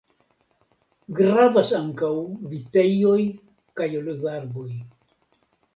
Gravas ankaŭ vitejoj kaj olivarboj.